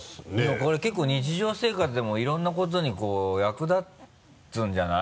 これ結構日常生活でもいろんなことに役立つんじゃない？